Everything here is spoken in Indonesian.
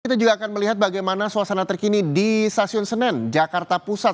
kita juga akan melihat bagaimana suasana terkini di stasiun senen jakarta pusat